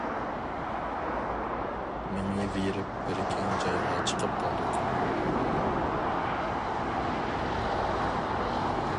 مېڭىۋېرىپ بىر كەڭ جايغا چىقىپ قالدۇق.